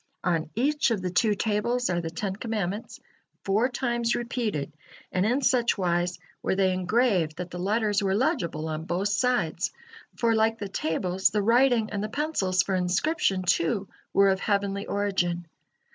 On each of the two tables are the Ten Commandments, four times repeated, and in such wise were they engraved that the letters were legible on both sides, for, like the tables, the writing and the pencils for inscription, too, were of heavenly origin.